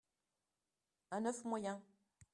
un oeuf moyen